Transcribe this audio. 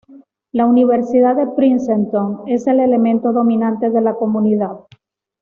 La Universidad de Princeton es el elemento dominante de la comunidad.